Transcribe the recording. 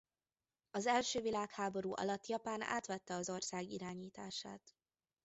Az első világháború alatt Japán átvette az ország irányítását.